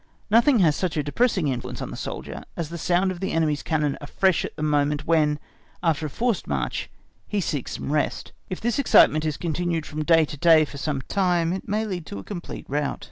Nothing has such a depressing influence on the soldier, as the sound of the enemy's cannon afresh at the moment when, after a forced march he seeks some rest; if this excitement is continued from day to day for some time, it may lead to a complete rout.